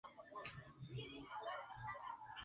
The story at HorrorKing.com